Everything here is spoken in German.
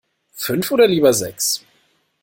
Fünf oder lieber sechs?